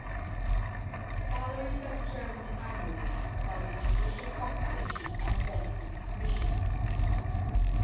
Salaries are determined annually by the Judicial Compensation and Benefits Commission.